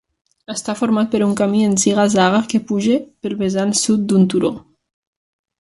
Està format per un camí en ziga-zaga que puja pel vessant sud d'un turó.